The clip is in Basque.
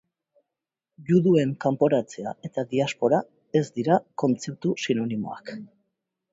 Juduen kanporatzea eta diaspora ez dira kontzeptu sinonimoak.